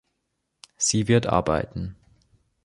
Sie wird arbeiten.